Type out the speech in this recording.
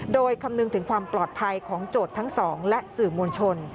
โดยคำนึงถึงความปลอดภัยของโจทย์ทั้งสองและสื่อมวลชน